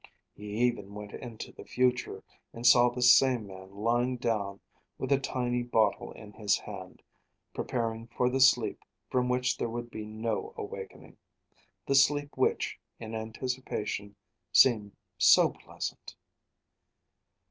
He even went into the future and saw this same man lying down with a tiny bottle in his hand, preparing for the sleep from which there would be no awakening, the sleep which, in anticipation, seemed so pleasant.